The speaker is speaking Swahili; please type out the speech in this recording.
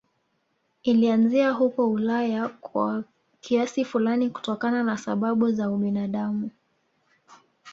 Ilianzia huko Ulaya kwa kiasi fulani kutokana na sababu za ubinadamu